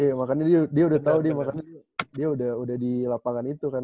iya makanya dia udah tau dia udah di lapangan itu kan